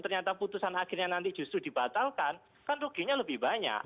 ternyata putusan akhirnya nanti justru dibatalkan kan ruginya lebih banyak